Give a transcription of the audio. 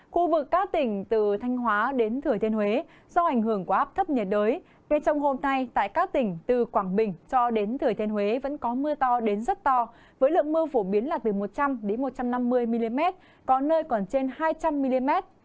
khu vực các tỉnh từ thanh hóa đến thừa thiên huế do ảnh hưởng của áp thấp nhiệt đới về trong hôm nay tại các tỉnh từ quảng bình cho đến thừa thiên huế vẫn có mưa to đến rất to với lượng mưa phổ biến là từ một trăm linh một trăm năm mươi mm có nơi còn trên hai trăm linh mm